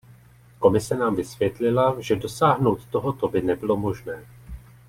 Komise nám vysvětlila, že dosáhnout tohoto by nebylo možné.